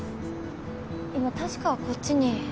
今確かこっちに。